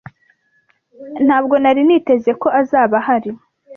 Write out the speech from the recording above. Ntabwo nari niteze ko azaba ahari